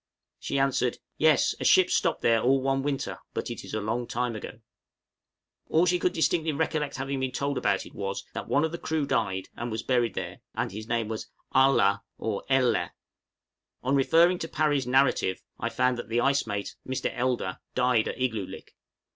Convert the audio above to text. She answered, "Yes, a ship stopped there all one winter; but it is a long time ago." All she could distinctly recollect having been told about it was, that one of the crew died, and was buried there, and his name was Al lah or El leh. On referring to Parry's 'Narrative,' I found that the ice mate, Mr. Elder, died at Igloolik!